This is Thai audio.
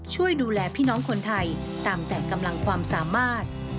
ช่วยดูแลพี่น้องคนไทยตามแต่กำลังความสามารถ